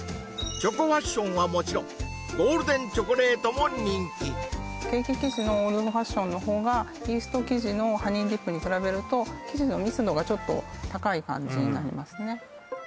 チョコファッションはもちろんゴールデンチョコレートも人気ケーキ生地のオールドファッションの方がイースト生地のハニーディップに比べると生地の密度がちょっと高い感じになりますね